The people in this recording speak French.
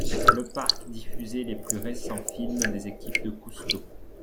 Le parc diffusait les plus récents films des équipes de Cousteau.